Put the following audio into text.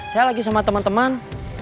saya lagi sama teman teman